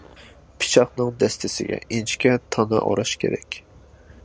پىچاقنىڭ دەستىسىگە ئىنچىكە تانا ئوراش كېرەك.